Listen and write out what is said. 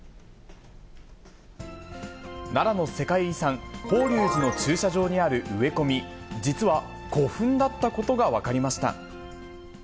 奈良の世界遺産、法隆寺の駐車場にある植え込み、実は古墳だったことが分かりました。